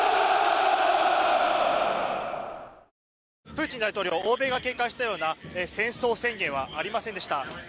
プーチン大統領欧米が警戒したような戦争宣言はありませんでした。